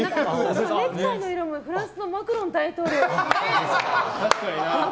ネクタイの色もフランスのマクロン大統領みたい。